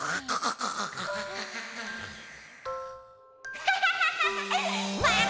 アハハハッ！